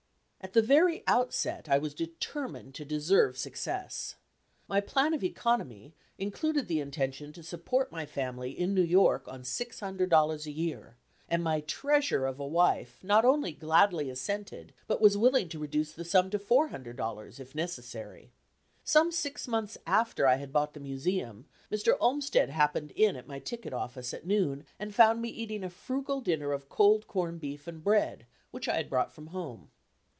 At the very outset, I was determined to deserve success. My plan of economy included the intention to support my family in New York on $600 a year, and my treasure of a wife not only gladly assented, but was willing to reduce the sum to $400, if necessary. Some six months after I had bought the Museum, Mr. Olmsted happened in at my ticket office at noon and found me eating a frugal dinner of cold corned beef and bread, which I had brought from home.